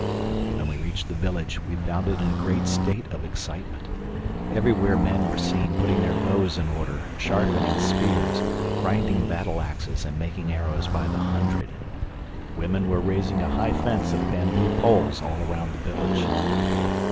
When we reached the village we found it in a great state of excitement. Everywhere men were seen putting their bows in order, sharpening spears, grinding battle axes and making arrows by the hundred. Women were raising a high fence of bamboo poles all round the village.